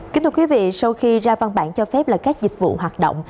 kính thưa quý vị sau khi ra văn bản cho phép là các dịch vụ hoạt động